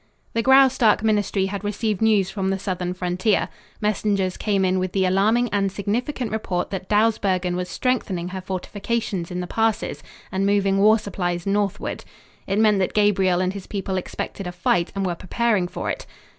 The Graustark ministry had received news from the southern frontier. Messengers came in with the alarming and significant report that Dawsbergen was strengthening her fortifications in the passes and moving war supplies northward. It meant that Gabriel and his people expected a fight and were preparing for it.